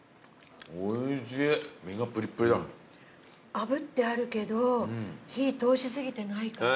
炙ってあるけど火通し過ぎてないから。